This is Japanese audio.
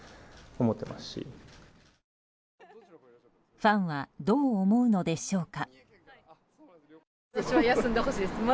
ファンはどう思うのでしょうか。